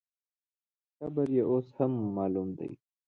قبر یې اوس هم معلوم دی.